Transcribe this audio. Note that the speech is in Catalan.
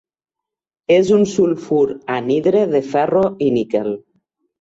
És un sulfur anhidre de ferro i níquel.